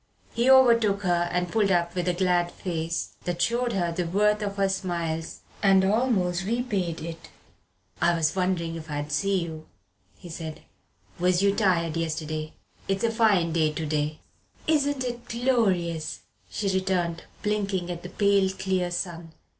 He overtook her and pulled up with a glad face, that showed her the worth of her smiles and almost repaid it. "I was wondering if I'd see you," he said; "was you tired yesterday? It's a fine day to day." "Isn't it glorious!" she returned, blinking at the pale clear sun.